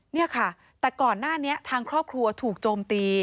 นี่ค่ะแต่ก่อนหน้านี้ทางครอบครัวถูกโจมตี